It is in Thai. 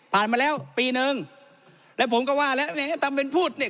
มาแล้วปีนึงแล้วผมก็ว่าแล้วเนี่ยตำเป็นพูดเนี่ย